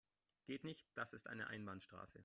Geht nicht, das ist eine Einbahnstraße.